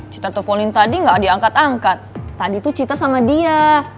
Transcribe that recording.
citra telfonin tadi gak diangkat angkat tadi tuh citra sama dia